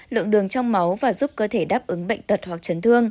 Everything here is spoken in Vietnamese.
lượng đường trong máu và giúp cơ thể đáp ứng bệnh tật hoặc chấn thương